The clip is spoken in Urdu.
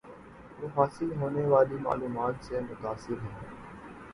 وہ حاصل ہونے والی معلومات سے متاثر ہیں